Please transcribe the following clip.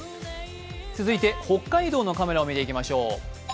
続いて北海道のカメラを見ていきましょう。